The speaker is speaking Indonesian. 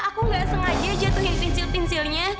aku gak sengaja jatuhin pincil pincilnya